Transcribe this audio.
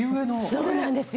そうなんです。